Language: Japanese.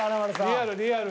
リアルリアル。